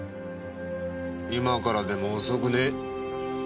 今からでも遅くねえ。